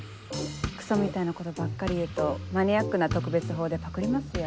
クソみたいなことばっかり言うとマニアックな特別法でパクりますよ。